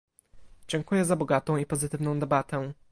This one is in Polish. Dziękuję za bogatą i pozytywną debatę